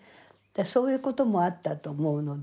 そういうこともあったと思うので。